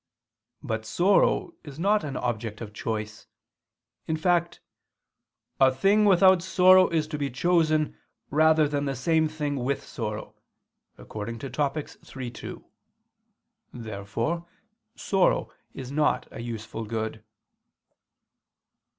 But sorrow is not an object of choice; in fact, "a thing without sorrow is to be chosen rather than the same thing with sorrow" (Topic. iii, 2). Therefore sorrow is not a useful good.